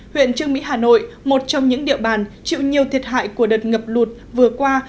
huyện trương mỹ hà nội một trong những địa bàn chịu nhiều thiệt hại của đợt ngập lụt vừa qua